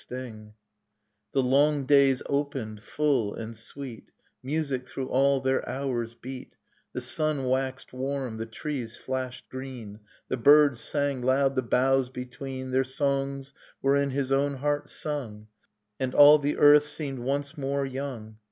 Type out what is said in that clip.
.. Nocturne of Remembered Spring The long days opened, full and sweet, Music through all their hours beat, The sun waxed warm, the trees flashed green, The birds sang loud the boughs between, — Their songs were in his own heart sung, And all the earth seemed once more young.